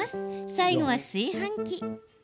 最後は、炊飯器。